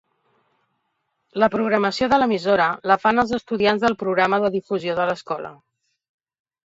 La programació de l'emissora la fan els estudiants del programa de difusió de l'escola.